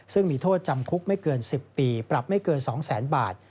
ซึ่งมีโทษจำคุกไม่เกิน๑๐ปีปรับไม่เกิน๒๐๐๐๐บาท